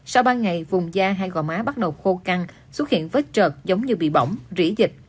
sau ba ngày vùng da hai gò má bắt đầu khô căng xuất hiện vết trượt giống như bị bỏng rỉ dịch